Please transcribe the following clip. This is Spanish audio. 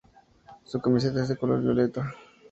Su camiseta es de color violeta.